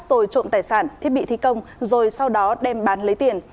rồi trộm tài sản thiết bị thi công rồi sau đó đem bán lấy tiền